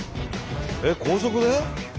えっ高速で？